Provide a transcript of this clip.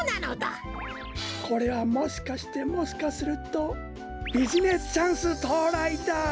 これはもしかしてもしかするとビジネスチャンスとうらいだ！